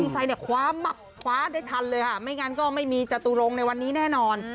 คว้ามับคว้าได้ทันเลยค่ะไม่งั้นก็ไม่มีจตุรงค์ในวันนี้แน่นอน